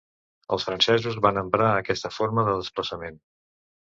Els francesos van emprar aquesta forma de desplaçament.